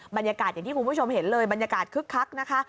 บรรยากาศอย่างที่คุณผู้ชมเห็นเลยบรรยากาศคึกคักนะคะ